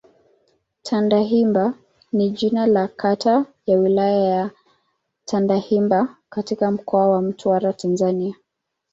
Tandahimba ni jina la kata ya Wilaya ya Tandahimba katika Mkoa wa Mtwara, Tanzania.